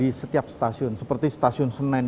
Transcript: di setiap stasiun seperti stasiun senen